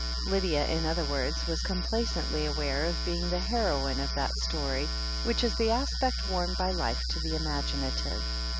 Lydia, in other words, was complacently aware of being the heroine of that story, which is the aspect worn ^y life to the imaginative.